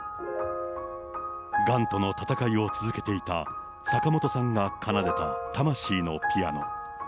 がんとの闘いを続けていた坂本さんが奏でた魂のピアノ。